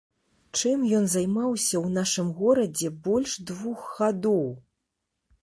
Чым ён займаўся ў нашым горадзе больш двух гадоў?